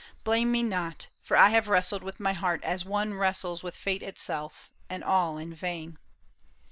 Blame me not ; For I have wrestled with my heart as one Wrestles with fate itself ; and all in vain."